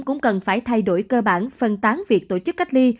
các người cũng cần phải thay đổi cơ bản phân tán việc tổ chức cách ly